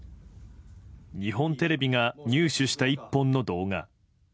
日本テレビが入手した一本の動画。